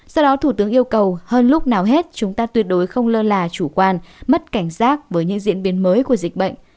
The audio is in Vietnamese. sau đó thủ tướng yêu cầu hơn lúc nào hết chúng ta tuyệt đối không lơ là chủ quan mất cảnh giác với những diễn biến mới của dịch bệnh